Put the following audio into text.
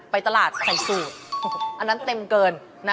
ไปตลาดขวัญสูบอันนั้นเต็มเกิน